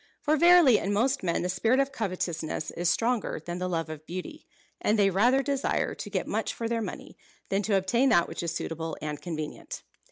For verily in most men the spirit of covetousness is stronger than the love of beauty, and they rather desire to get much for their money, than to obtain that which is suitable and convenient."